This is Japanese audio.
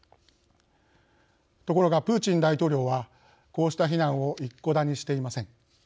ところがプーチン大統領はこうした非難を一顧だにしていません。